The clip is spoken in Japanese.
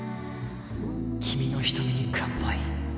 君の瞳に乾杯。